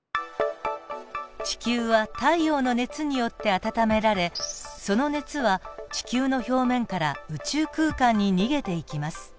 地球は太陽の熱によって温められその熱は地球の表面から宇宙空間に逃げていきます。